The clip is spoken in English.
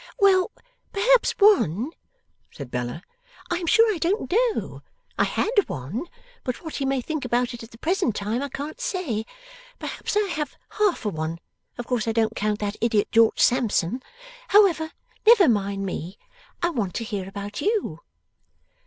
'Well! Perhaps one,' said Bella. 'I am sure I don't know. I HAD one, but what he may think about it at the present time I can't say. Perhaps I have half a one (of course I don't count that Idiot, George Sampson). However, never mind me. I want to hear about you.